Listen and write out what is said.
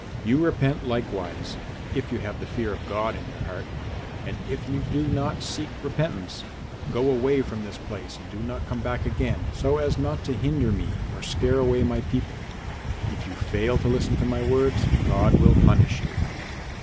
You repent likewise, if you have the fear of God in your heart, and if you do not seek repentance, go away from this place and do not come back again, so as not to hinder me or scare away my people. If you fail to listen to my words God will punish you."